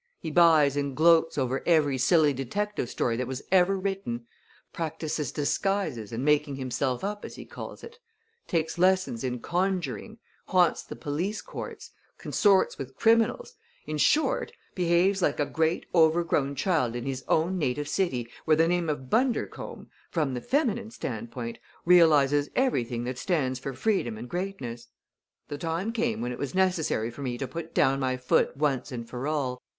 He buys and gloats over every silly detective story that was ever written; practises disguises and making himself up, as he calls it; takes lessons in conjuring; haunts the police courts; consorts with criminals in short, behaves like a great overgrown child in his own native city, where the name of Bundercombe from the feminine standpoint realizes everything that stands for freedom and greatness. The time came when it was necessary for me to put down my foot once and for all.